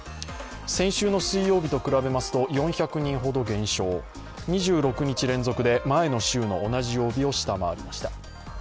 先週の水曜日と比べますと４００人ほど減少、２６日連続で前の週の同じ曜日を下回りました。